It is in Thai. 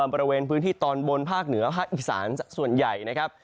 บริเวณพื้นที่ตอนบนภาคเหนือภาคอีสานส่วนใหญ่นะครับ